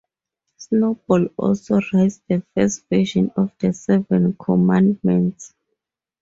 Snowball also writes the first version of the Seven Commandments.